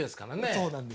そうなんです。